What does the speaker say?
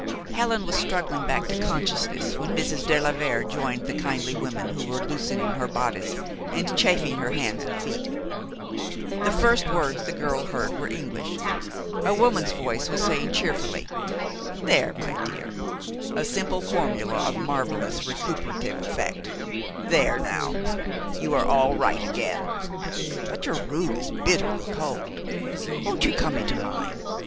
Helen was struggling back to consciousness when Mrs. de la Vere joined the kindly women who were loosening her bodice and chafing her hands and feet. The first words the girl heard were in English. A woman's voice was saying cheerfully, "There, my dear!" a simple formula of marvelous recuperative effect, "there now! You are all right again. But your room is bitterly cold. Won't you come into mine?